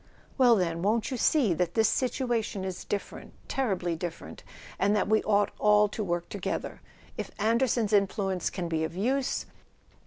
"Well, then—won't you see that this situation is different, terribly different, and that we ought all to work together ? If Anderson's influence can be of use..